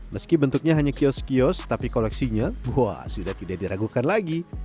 meski bentuknya hanya kios kios tapi koleksinya wah sudah tidak diragukan lagi